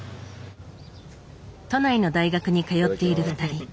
都内の大学に通っている２人。